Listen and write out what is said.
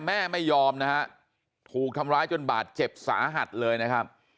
แม่ไม่ยอมนะฮะถูกทำร้ายจนบาดเจ็บสาหัสเลยนะครับ